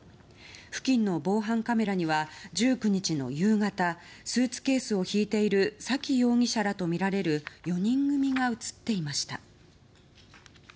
付近の防犯カメラには１９日の夕方スーツケースを引いている沙喜容疑者らとみられる４人組が映っていました。